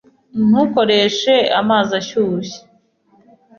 Ntukoreshe amazi ashyushye.